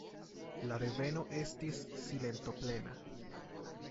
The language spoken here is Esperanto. La reveno estis silentoplena.